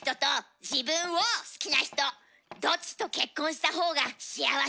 好きな人どっちと結婚した方が幸せ？